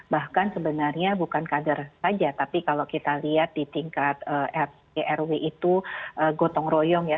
bahkan sebenarnya bukan kader saja tapi kalau kita lihat di tingkat rw itu gotong royong ya